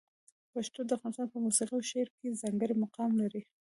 پښتو د افغانستان په موسیقي او شعر کې ځانګړی مقام لري.